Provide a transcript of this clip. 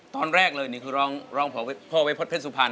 ตอนแรกเลยนี่คือร้องพ่อวัยพฤษเพชรสุพรรณ